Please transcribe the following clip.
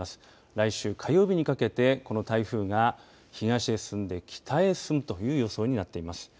来週火曜日にかけてこの台風が東へ進んで北へ進むという予想になっています。